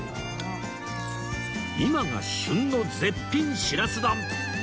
今が旬の絶品しらす丼！